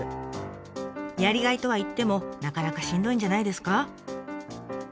やりがいとはいってもなかなかしんどいんじゃないですか？